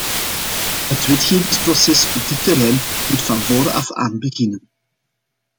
Het wetgevingsproces op dit terrein moet van voren af aan beginnen.